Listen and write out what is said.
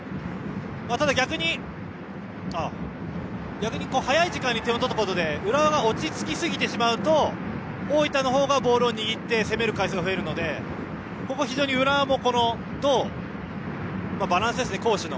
ただ逆に早い時間に点を取ったことで浦和は落ち着きすぎてしまうと大分のほうがボールを握って攻める回数が増えるのでここ、非常に浦和もどうバランスですね、攻守の。